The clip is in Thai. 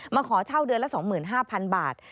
ขอเช่าเดือนละ๒๕๐๐๐บาท